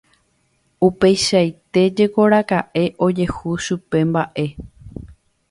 Upeichaite jekoraka'e ojehu chupe mba'e.